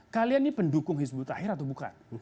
kalian ini pendukung hizbut tahir atau bukan